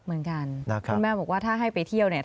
เหมือนกันคุณแม่บอกว่าถ้าให้ไปเที่ยวเนี่ย